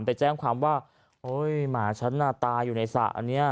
ไปแจ้งความว่าหมาชั้นน่าตายอยู่ในสระนี้